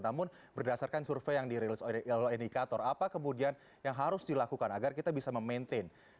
namun berdasarkan survei yang dirilis oleh indikator apa kemudian yang harus dilakukan agar kita bisa memaintain